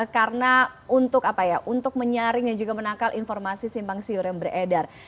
karena untuk menyaring dan juga menangkal informasi simpang siur yang beredar